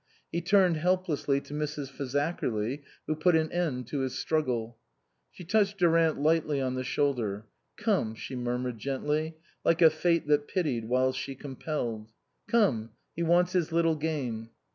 He turned helplessly to Mrs. Fazakerly who put an end to his struggle. She touched Durant lightly on the shoulder. " Come," she murmured gently, like a fate that pitied while she compelled. " Come. He wants his little game."